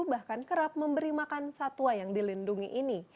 bahkan kerap memberi makan satwa yang dilindungi ini